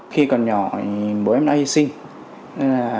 khi còn nhỏ bố em đã hy sinh